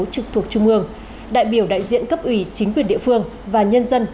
trực thuộc trung ương đại biểu đại diện cấp ủy chính quyền địa phương và nhân dân